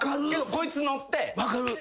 こいつ乗って。